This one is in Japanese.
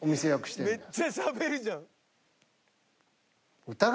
めっちゃしゃべるじゃん。